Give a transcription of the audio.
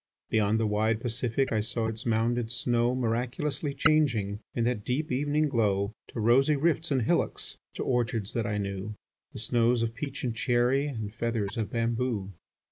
Beyond the wide Pacific I saw its mounded snow Miraculously changing In that deep evening glow, To rosy rifts and hillocks, To orchards that I knew, The snows or peach and cherry, And feathers of bamboo.